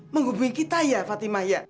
menghubungi kita ya fatimah ya